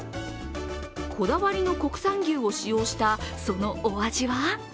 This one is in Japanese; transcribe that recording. こだわりの国産牛を使用したそのお味は？